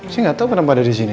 saya enggak tau kenapa ada di sini